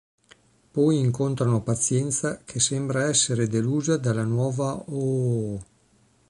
Poi incontrano Pazienza che sembra essere delusa dalla nuova Ooo.